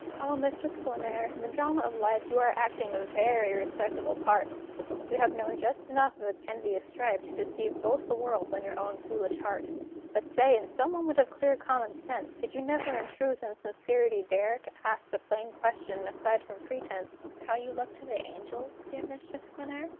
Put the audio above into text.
O, Mistress Glenare! in the drama of life You are acting a very respectable part; You have known just enough of its envious strife To deceive both the world and your own foolish heart. But say, in some moment of clear common sense, Did you never in truth and sincerity dare To ask the plain question, aside from pretence, How you looked to the angels, dear Mistress Glenare?